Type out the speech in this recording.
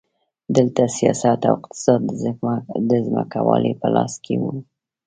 دلته سیاست او اقتصاد د ځمکوالو په لاس کې وو.